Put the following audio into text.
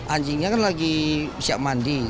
anjingnya kan lagi siap mandi